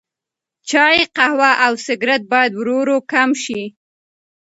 چای، قهوه او سګرټ باید ورو ورو کم شي.